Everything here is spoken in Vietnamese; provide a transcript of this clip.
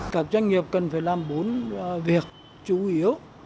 các doanh nghiệp cần phải làm bốn việc chủ yếu